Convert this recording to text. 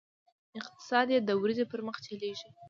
اقتصاد یې د ورځې پر مخ چلېږي.